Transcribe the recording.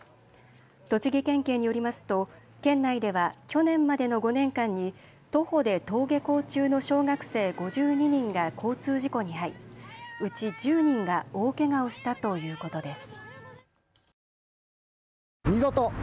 栃木県警によりますと県内では去年までの５年間に徒歩で登下校中の小学生５２人が交通事故に遭い、うち１０人が大けがをしたということです。